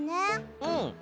うん。